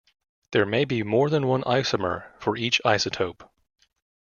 There may be more than one isomer for each isotope.